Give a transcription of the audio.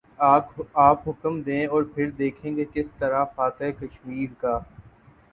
آپ حکم دیں اور پھر دیکھیں کہ کس طرح فاتح کشمیر کا